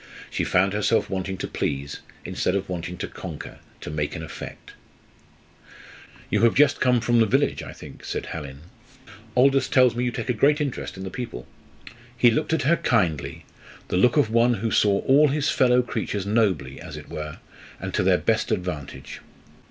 She found herself wanting to please, instead of wanting to conquer, to make an effect. "You have just come from the village, I think?" said Hallin. "Aldous tells me you take a great interest in the people?" He looked at her kindly, the look of one who saw all his fellow creatures nobly, as it were, and to their best advantage.